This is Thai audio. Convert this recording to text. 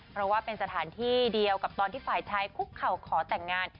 เพราะว่าเป็นสถานที่เดียวกับตอนที่ฝ่ายชายคุกเข่าขอแต่งงาน